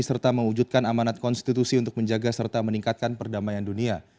serta mewujudkan amanat konstitusi untuk menjaga serta meningkatkan perdamaian dunia